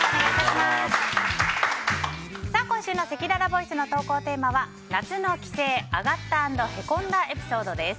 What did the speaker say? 今週のせきららボイスの投稿テーマは夏の帰省アガった＆へこんだエピソードです。